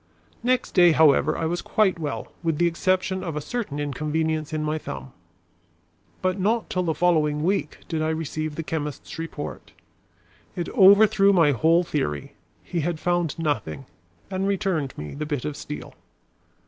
Next day, however, I was quite well, with the exception of a certain inconvenience in my thumb. But not till the following week did I receive the chemist's report. It overthrew my whole theory. He had found nothing, and returned me the bit of steel.